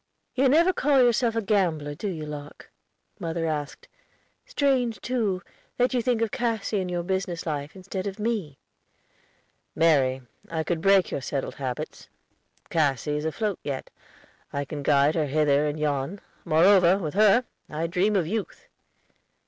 "You never call yourself a gambler, do you, Locke?" mother asked. "Strange, too, that you think of Cassy in your business life instead of me." "Mary, could I break your settled habits. Cassy is afloat yet. I can guide her hither and yon. Moreover, with her, I dream of youth."